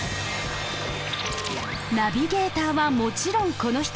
ナビゲーターはもちろんこの人。